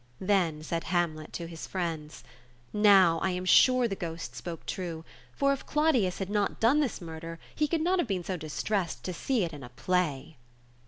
Then said Hamlet to his friends — "Now I am sure the ghost spoke true. For if Claudius had not done this murder, he could not have been so distressed to see it in a play."